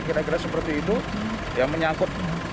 kira kira seperti itu yang menyangkut